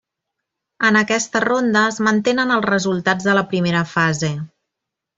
En aquesta ronda es mantenen els resultats de la primera fase.